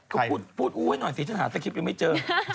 ก็พูดอู้ให้หน่อยสิฉันหาสคริปต์ยังไม่เจอ